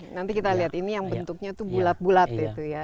nanti kita lihat ini yang bentuknya itu bulat bulat itu ya